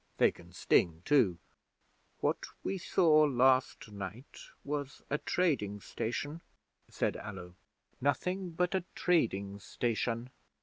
They can sting, too! '"What we saw last night was a trading station," said Allo. "Nothing but a trading station."